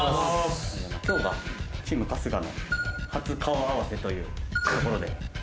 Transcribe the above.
今日はチーム春日の初顔合わせというところで。